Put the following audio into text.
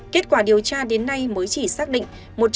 kết quả điều tra đến nay mới chỉ xác định